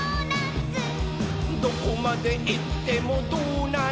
「どこまでいってもドーナツ！」